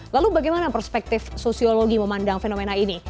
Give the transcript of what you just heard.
lalu bagaimana perspektif sosiologi memandang fenomena ini